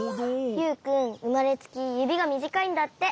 ユウくんうまれつきゆびがみじかいんだって。